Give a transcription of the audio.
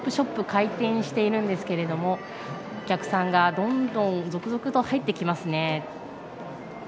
開店しているんですがお客さんが続々と入ってきますね。